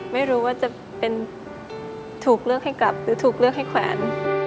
ไม่รู้ว่าจะเป็นถูกเลือกให้กลับหรือถูกเลือกให้แขวน